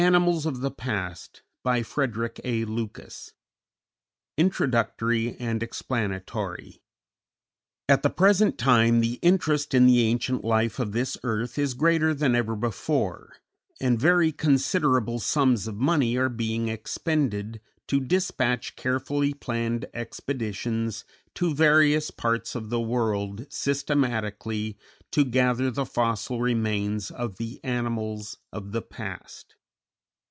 _ 210 41. The Lenape Stone, Reduced 219 INTRODUCTORY AND EXPLANATORY _At the present time the interest in the ancient life of this earth is greater than ever before, and very considerable sums of money are being expended to dispatch carefully planned expeditions to various parts of the world systematically to gather the fossil remains of the animals of the past.